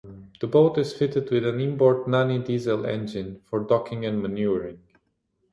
The boat is fitted with an inboard Nani diesel engine for docking and manoeuvring.